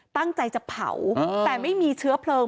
ตั้งใจจะเผาแต่ไม่มีเชื้อเพลิง